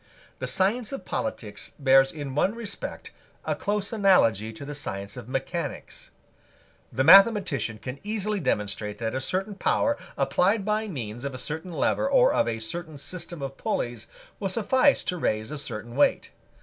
The science of Politics bears in one respect a close analogy to the science of Mechanics. The mathematician can easily demonstrate that a certain power, applied by means of a certain lever or of a certain system of pulleys, will suffice to raise a certain weight.